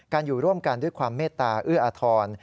อยู่ร่วมกันด้วยความเมตตาเอื้ออทร